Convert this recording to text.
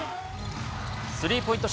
スリーポイント